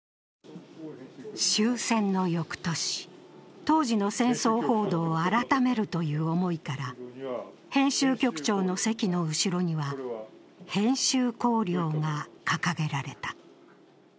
終戦の翌年、当時の戦争報道を改めるという思いから編集局長の席の後ろには、編集綱領が掲げられた。